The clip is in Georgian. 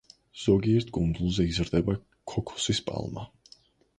ზოგიერთ კუნძულზე იზრდება ქოქოსის პალმა.